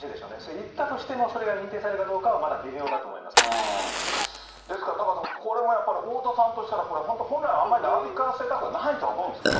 言ったとしてもそれが認定されるかどうかはまた微妙だと思いますですから、タカさん、これもやっぱり太田さんとしたら、これは本来あんまり長引かせたくはないと思うんですけど。